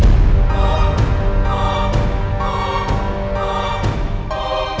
gue mau bilang ke clara apa